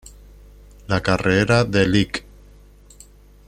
La carrera de Lic.